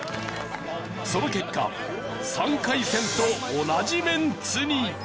その結果３回戦と同じメンツに。